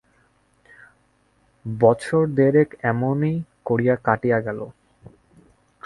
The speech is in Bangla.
বৎসর দেড়েক এমনি করিয়া কাটিয়া গেল।